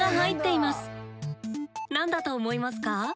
何だと思いますか？